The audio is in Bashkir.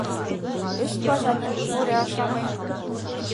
Өс бажаны бүре ашамай.